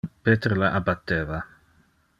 Peter le abatteva.